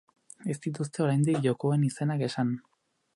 Ez dituzte oraindik jokoen izenak esan.